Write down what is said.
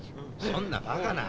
そんなバカな。